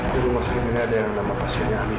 di rumah sakit ini ada yang nama pasiennya amira